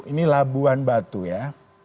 ini labuan batu ya